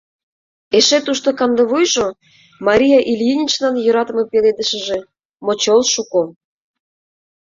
Эше тушто кандывуйжо — Мария Ильиничнан йӧратыме пеледышыже — мочол шуко.